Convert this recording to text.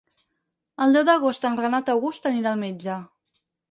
El deu d'agost en Renat August anirà al metge.